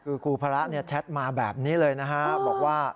คือครูพระแชทมาแบบนี้เลยนะฮะบอกว่า